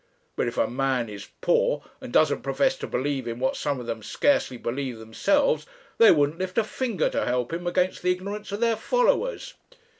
But if a man is poor and doesn't profess to believe in what some of them scarcely believe themselves, they wouldn't lift a finger to help him against the ignorance of their followers.